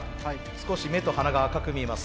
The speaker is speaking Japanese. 少し目と鼻が赤く見えます。